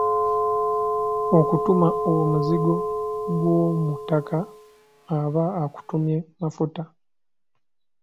Akutuma omuzigo gw’omuttaka, aba akutumye Mafuta.